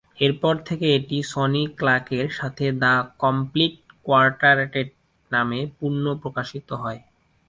এরপর থেকে এটি সনি ক্লার্কের সাথে দ্য কমপ্লিট কোয়ার্টেট নামে পুনঃপ্রকাশিত হয়।